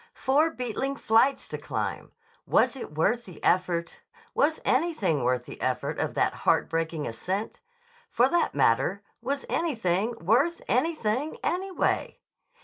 Four beetling flights to climb! Was it worth the effort? Was anything worth the effort of that heart breaking ascent? For that matter, was anything worth anything, anyway?